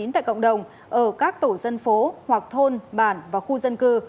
tại cộng đồng ở các tổ dân phố hoặc thôn bản và khu dân cư